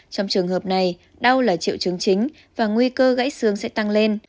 trong trường hợp này đau là triệu chứng chính và nguy cơ gãy xương sẽ tăng lên